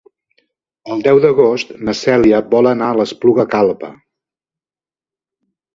El deu d'agost na Cèlia vol anar a l'Espluga Calba.